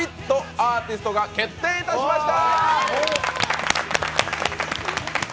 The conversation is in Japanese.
アーティストが決定いたしました。